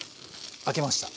空けました。